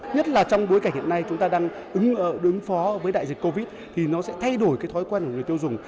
nhất là trong bối cảnh hiện nay chúng ta đang ứng phó với đại dịch covid thì nó sẽ thay đổi cái thói quen của người tiêu dùng